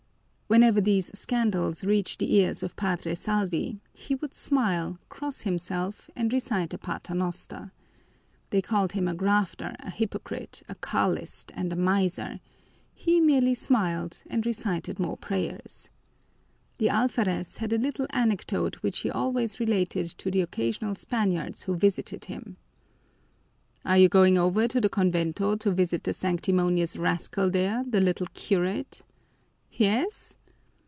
Whenever these scandals reached the ears of Padre Salvi, he would smile, cross himself, and recite a paternoster. They called him a grafter, a hypocrite, a Carlist, and a miser: he merely smiled and recited more prayers. The alferez had a little anecdote which he always related to the occasional Spaniards who visited him: "Are you going over to the convento to visit the sanctimonious rascal there, the little curate? Yes!